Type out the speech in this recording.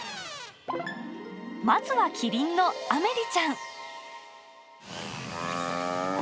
まずはキリンのアメリちゃん。